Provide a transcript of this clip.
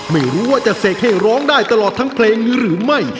ไม่รู้ว่าจะเสกให้ร้องได้ตลอดทั้งเพลงนี้หรือไม่